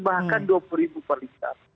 bahkan dua puluh ribu per liter